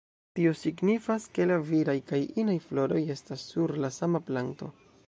Tio signifas, ke la viraj kaj inaj floroj estas sur la sama planto.